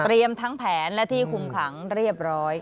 ทั้งแผนและที่คุมขังเรียบร้อย